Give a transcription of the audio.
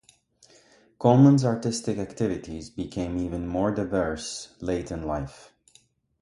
Colman's artistic activities became even more diverse late in life.